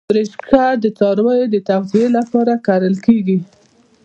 رشقه د څارویو د تغذیې لپاره کرل کیږي